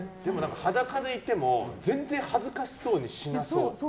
裸でいても全然恥ずかしそうにしなそう。